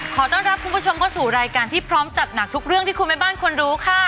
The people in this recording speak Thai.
ขอต้อนรับคุณผู้ชมเข้าสู่รายการที่พร้อมจัดหนักทุกเรื่องที่คุณแม่บ้านควรรู้ค่ะ